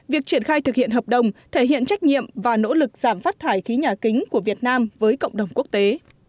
việc triển khai thực hiện hợp đồng thể hiện trách nhiệm và nỗ lực giảm phát thải khí nhà kính của việt nam với cộng đồng quốc tế